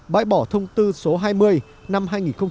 bãi bỏ thông tư số hai mươi năm hai nghìn một mươi